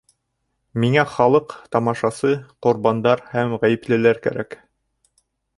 Миңә халыҡ, тамашасы, ҡорбандар һәм ғәйеплелеләр кәрәк!